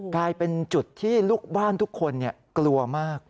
กลายเป็นจุดที่ลูกบ้านทุกคนกลัวมาก